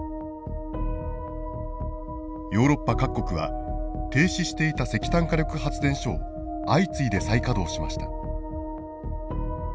ヨーロッパ各国は停止していた石炭火力発電所を相次いで再稼働しました。